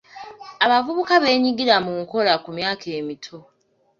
Abavubuka beenyigira mu kukola ku myaka emito.